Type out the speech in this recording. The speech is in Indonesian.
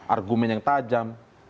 argumen yang tajam